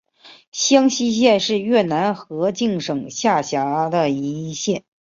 香溪县是越南河静省下辖的一县。